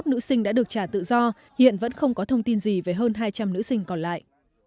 hai mươi nữ sinh đã được trả tự do hiện vẫn không có thông tin gì về hơn hai trăm linh nữ sinh còn lại